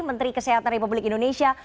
menteri kesehatan republik indonesia